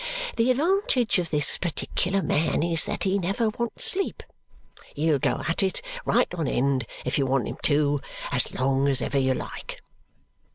The advantage of this particular man is that he never wants sleep. He'll go at it right on end if you want him to, as long as ever you like."